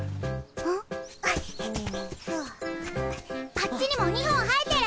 あっちにも２本生えてる！